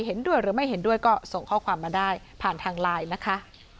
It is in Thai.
เห็นด้วยหรือไม่เห็นด้วยก็ส่งข้อความมาได้ผ่านทางไลน์นะคะ